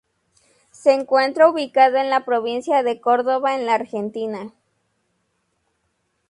Se encuentra ubicado en la Provincia de Córdoba, en la Argentina.